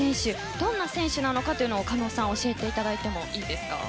どんな選手なのか、狩野さん教えていただいていいですか。